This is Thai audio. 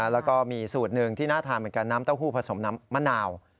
แล้วก็มีสูตรหนึ่งที่น่าทานเหมือนกันน้ำเต้าหู้ผสมน้ำมะนาว